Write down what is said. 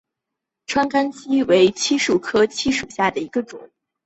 川甘槭为槭树科槭属下的一个种。